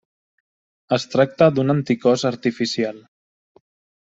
Es tracta d'un anticòs artificial.